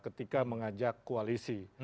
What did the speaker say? ketika mengajak koalisi